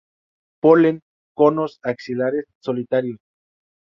Polen conos axilares, solitarios.